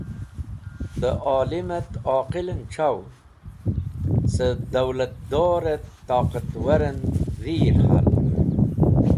Dẽ olimẽt oqilẽn chaw, cẽ dowlatdorẽt toqatwarẽn dhir hal.